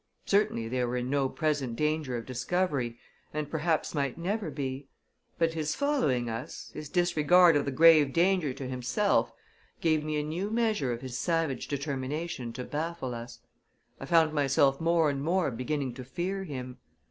Certainly they were in no present danger of discovery, and perhaps might never be. But his following us, his disregard of the grave danger to himself, gave me a new measure of his savage determination to baffle us; I found myself more and more beginning to fear him.